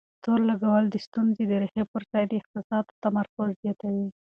تور لګول د ستونزې د ريښې پر ځای د احساساتو تمرکز زياتوي.